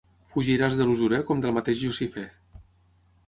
Fugiràs de l'usurer com del mateix Llucifer.